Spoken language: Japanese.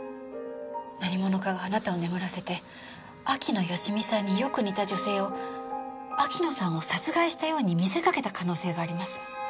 何者かがあなたを眠らせて秋野芳美さんによく似た女性を秋野さんを殺害したように見せかけた可能性があります。